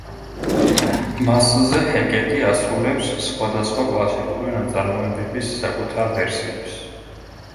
მასზე ჰეკეტი ასრულებს სხვადასხვა კლასიკური ნაწარმოებების საკუთარ ვერსიებს.